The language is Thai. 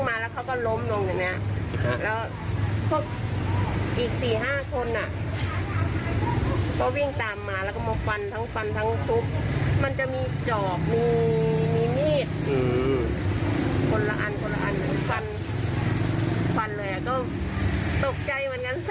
ไม่กล้าเปิดประตูออกไป